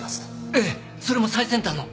ええそれも最先端の。